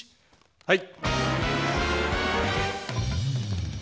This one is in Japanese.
はい。